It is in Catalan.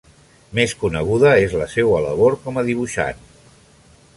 Més coneguda és la seua labor com a dibuixant.